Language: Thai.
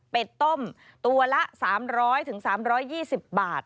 เป็นต้มตัวละ๓๐๐๓๒๐บาท